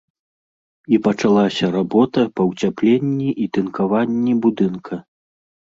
І пачалася работа па ўцяпленні і тынкаванні будынка.